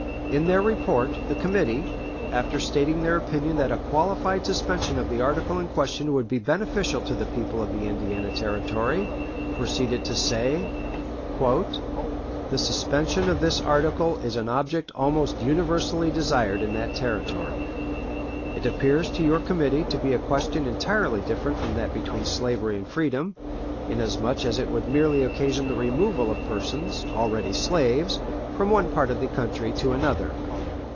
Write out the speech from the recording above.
In their report the committee, after stating their opinion that a qualified suspension of the article in question would be beneficial to the people of the Indiana Territory, proceeded to say: "The suspension of this article is an object almost universally desired in that Territory. It appears to your committee to be a question entirely different from that between slavery and freedom, inasmuch as it would merely occasion the removal of persons, already slaves, from one part of the country to another.